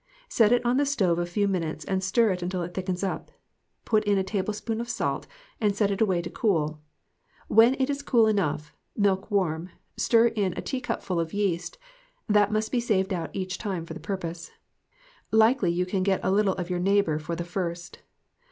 Set it on the stove a few minutes and stir it until it thickens up. Put in a teaspoonful of salt and set it away to cool. When it is cool enough milk GOOD BREAD AND GOOD MEETINGS. 31 warm stir in a small teacup full of yeast, that must be saved out each time for the purpose. Likely you can get a little of your neighbor for the first.